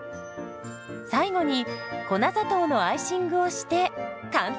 最後に粉砂糖のアイシングをして完成。